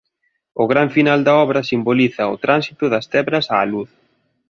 O gran final da obra simboliza o tránsito das tebras á luz.